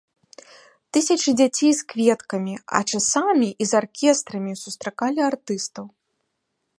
Тысячы дзяцей з кветкамі, а часамі і з аркестрамі сустракалі артыстаў.